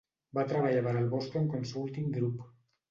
Va treballar per al Boston Consulting Group.